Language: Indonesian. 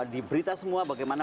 di berita semua bagaimana